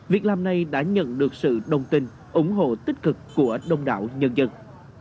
việc làm này đã nhận được sự đồng tình ủng hộ tích cực của đông đảo nhân dân